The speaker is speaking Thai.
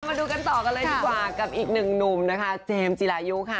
มาดูกันต่อกันเลยดีกว่ากับอีกหนึ่งหนุ่มนะคะเจมส์จิรายุค่ะ